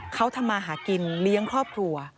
เขาทำมาหากินเลี้ยงครอบครัว